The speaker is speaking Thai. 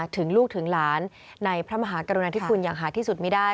ถึงลูกถึงหลานในพระมหากรุณาธิคุณอย่างหาที่สุดไม่ได้